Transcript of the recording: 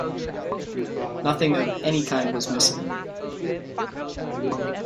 Nothing of any kind was missing.